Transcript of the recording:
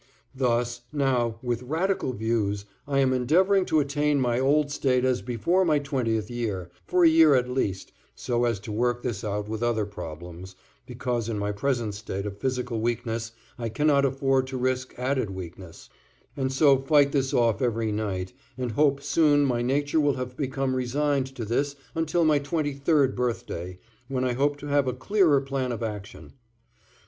Thus, now, with radical views, I am endeavoring to attain my old state as before my twentieth year, for a year at least, so as to work this out with other problems, because in my present state of physical weakness I cannot afford to risk added weakness, and so fight this off every night, and hope soon my nature will have become resigned to this until my twenty third birthday, when I hope to have a clearer plan of action.